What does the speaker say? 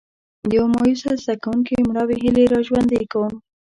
د یو مایوسه زده کوونکي مړاوې هیلې را ژوندي کوم.